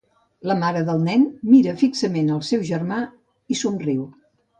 La mare del nen mira fixament el seu germà i somriu.